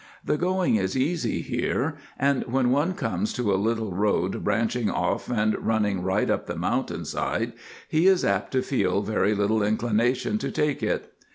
The going is easy here, and when one comes to a little road branching off and running right up the mountain side he is apt to feel very little inclination to take it.